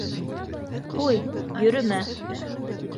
— Ҡуй, йөрөмә.